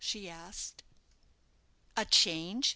she asked. "A change!